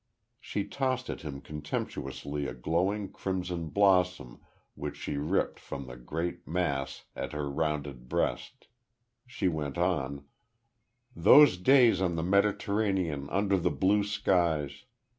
She tossed at him contemptuously a glowing crimson blossom which she ripped from the great mass at her rounded breast. She went on: "Those days on the Mediterranean, under the blue skies.